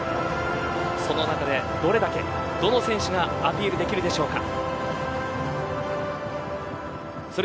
その中で、どれだけ選手がアピールできるでしょうか。